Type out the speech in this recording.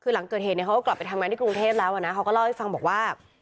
หลังเกิดเหตุเขากลับไปทำงานในกรุงเทศแล้วนะ